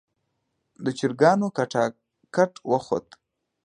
د چرګانو کټکټاک وخوت.